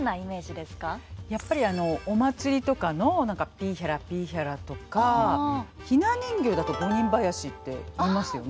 やっぱりお祭りとかのピヒャラピヒャラとかひな人形だと五人囃子って言いますよね。